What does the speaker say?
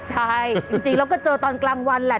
ใช่จริงแล้วก็เจอตอนกลางวันแหละ